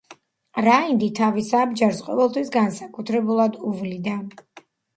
რაინდი თავის აბჯარს ყოველთვის განსაკუთრებულად უვლიდა.